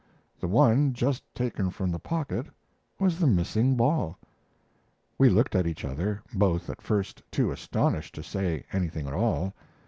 The one just taken from the pocket was the missing ball. We looked at each other, both at first too astonished to say anything at all.